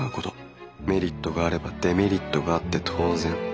メリットがあればデメリットがあって当然。